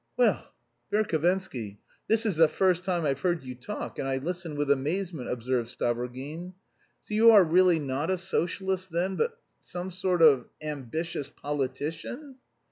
"Well, Verhovensky, this is the first time I've heard you talk, and I listen with amazement," observed Stavrogin. "So you are really not a socialist, then, but some sort of... ambitious politician?"